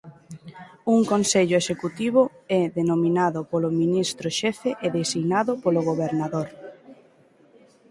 Un Consello Executivo é denominado polo Ministro Xefe e designado polo Gobernador.